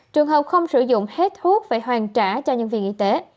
trường hợp không sử dụng hết thuốc phải hoàn trả cho nhân viên y tế